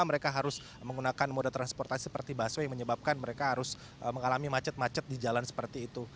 mereka harus menggunakan moda transportasi seperti busway yang menyebabkan mereka harus mengalami macet macet di jalan seperti itu